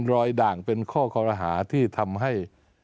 ด่างเป็นข้อคอรหาที่ทำให้